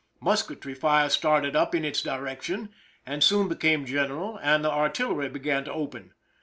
Musketry fire started up in its direction, and soon became general, and the artillery began to open.